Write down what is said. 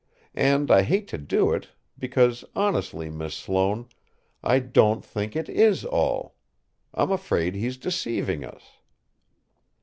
And I hate to do it because, honestly, Miss Sloane, I don't think it is all. I'm afraid he's deceiving us."